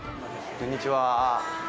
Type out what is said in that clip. こんにちは。